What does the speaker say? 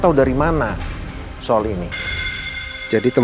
ya udah hiain aja lumayan kan